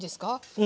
うん。